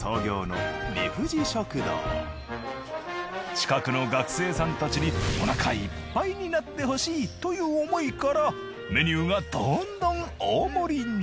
近くの学生さんたちにおなかいっぱいになってほしいという思いからメニューがどんどん大盛りに！